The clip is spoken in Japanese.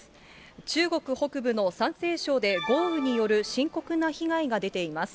中国北部の山西省で豪雨による深刻な被害が出ています。